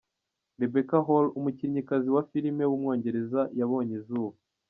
Rebecca Hall, umukinnyikazi wa filime w’umwongereza yabonye izuba.